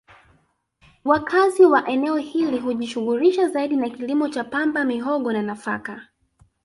Wakazi wa eneo hili hujishughulisha zaidi na kilimo cha pamba mihogo na nafaka